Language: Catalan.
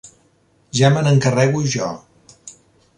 Ja me n'encarrego jo.